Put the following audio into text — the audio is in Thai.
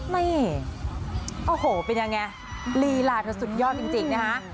นี่โอ้โหเป็นยังไงลีลาเธอสุดยอดจริงนะคะ